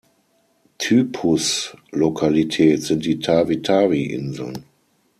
Typuslokalität sind die Tawi-Tawi-Inseln.